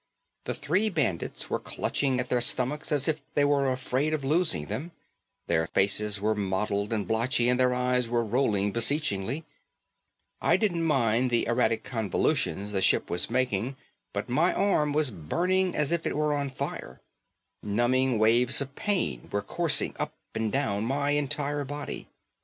The three bandits were clutching at their stomachs as if they were afraid of losing them. Their faces were mottled and blotchy and their eyes were rolling beseechingly. I didn't mind the erratic convolutions the ship was making but my arm was burning as if it were on fire. Numbing waves of pain were coursing up and down my entire body.